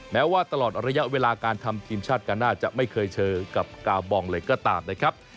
แม้ว่าตลอดระยะเวลาการทำทีมชาติการหน้าจะไม่เคยเจอกับกาบองเลยก็ตามนะครับ